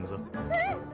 うん！